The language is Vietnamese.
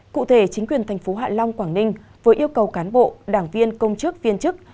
cụ thể chính quyền thành phố hạ long quảng ninh vừa yêu cầu cán bộ đảng viên công chức viên chức